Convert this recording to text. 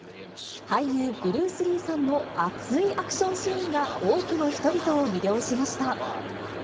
俳優、ブルース・リーさんの熱いアクションシーンが多くの人々を魅了しました。